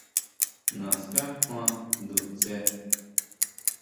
¿Naská kjuan ndutsje?